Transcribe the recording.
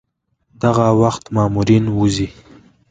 دغه وخت مامورین وځي.